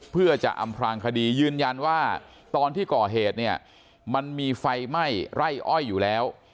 เพื่อจะอำพลางคดียืนยันว่าตอนที่ก่อเหตุเนี่ยมันมีไฟไหม้ไร่อ้อยอยู่แล้ว